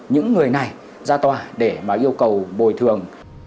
những người này ra tòa để mà yêu cầu bồi thường